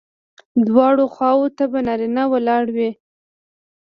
دواړو خواوو ته به نارینه ولاړ وي.